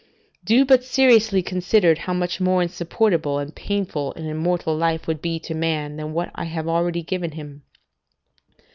Do but seriously consider how much more insupportable and painful an immortal life would be to man than what I have already given him.